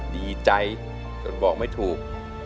ดีใจจนบอกไม่ถูก